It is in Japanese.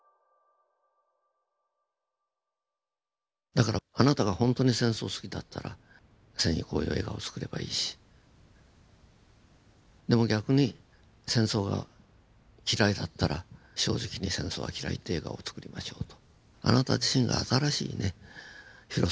だからあなたがほんとに戦争好きだったら戦意高揚映画をつくればいいしでも逆に戦争が嫌いだったら正直に戦争は嫌いという映画をつくりましょうと。